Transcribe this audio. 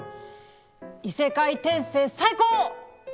異世界転生最高！